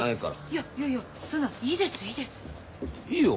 やいやいやそんないいですいいです。